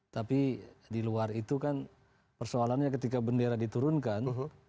tapi di luar itu kan persoalannya ketika bendera diturunkan